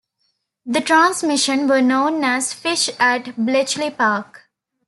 The transmissions were known as Fish at Bletchley Park.